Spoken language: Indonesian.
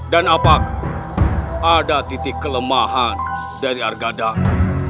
dan apakah ada titik kelemahan dari argadang